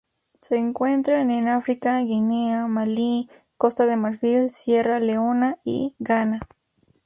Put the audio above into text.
Se encuentran en África: Guinea, Malí, Costa de Marfil, Sierra Leona y Ghana.